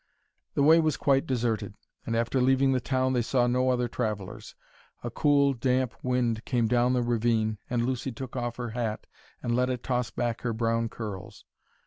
The way was quite deserted, and after leaving the town they saw no other travellers. A cool, damp wind came down the ravine and Lucy took off her hat and let it toss back her brown curls.